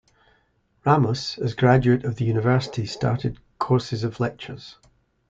Ramus, as graduate of the university, started courses of lectures.